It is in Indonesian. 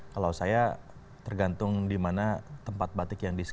kalau saya tergantung di mana tempat batik yang disediakan